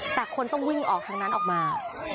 แต่คนต้องวิ่งออกทางนั้นออกมา